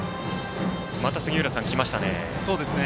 また、杉浦さんきましたね。